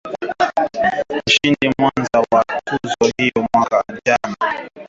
Mshindi mwenza wa tuzo hiyo mwaka jana